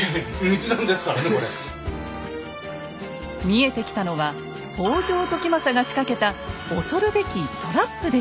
見えてきたのは北条時政が仕掛けた恐るべきトラップでした。